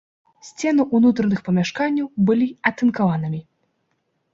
Сцены ўнутраных памяшканняў былі атынкаванымі.